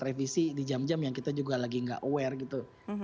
revisi di jam jam yang kita juga lagi nggak aware gitu